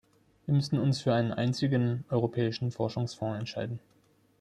Wir müssen uns für einen einzigen europäischen Forschungsfonds entscheiden.